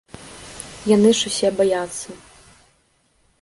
Яны ж усе баяцца.